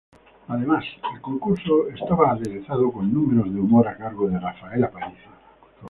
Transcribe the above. Además, el concurso estaba aderezado con números de humor a cargo de Rafaela Aparicio.